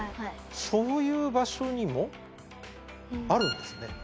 そういう場所にもあるんですね。